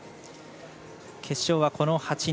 決勝はこの８人。